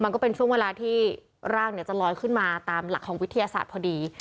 ก็เป็นช่วงเวลาที่ร่างจะลอยขึ้นมาตามหลักของวิทยาศาสตร์พอดี